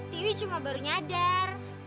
tiu cuma baru nyadar